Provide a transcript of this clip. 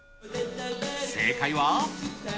正解は。